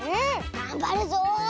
がんばるぞ！